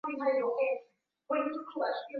nchini drc anaeleza kwa uzoefu wake